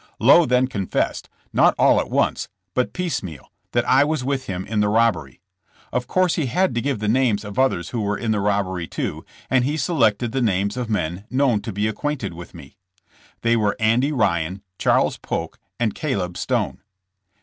Lowe then confessed, not all at once, but piecemeal, that I was with him in the rob bery. Of course he had to give the names of others who were in the robbery too, and he selected the names of men known to be acquainted with me. They were Andy Ryan, Charles Polk and Caleb Stone.